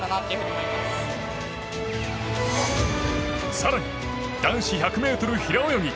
更に、男子１００ｍ平泳ぎ。